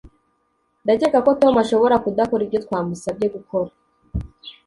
Ndakeka ko Tom ashobora kudakora ibyo twamusabye gukora